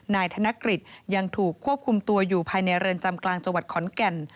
นายกธนกฤษยังถูกควบคุมตัวอยู่ภายในเรือนจำกลางจังหวัดขอนแก่น